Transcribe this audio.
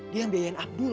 dia yang biayain abdul